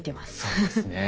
そうですね。